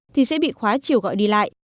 thì sẽ bị khóa chiều gọi đi lại